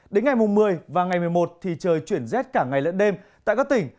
đến ngày một mươi và ngày một mươi một thì trời chuyển rét cả ngày lẫn đêm tại các tỉnh